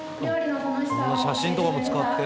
写真とかも使って？